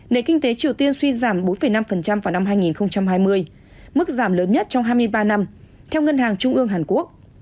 nền kinh tế triều tiên suy giảm bốn năm vào năm hai nghìn hai mươi mức giảm lớn nhất trong hai mươi ba năm theo ngân hàng trung ương hàn quốc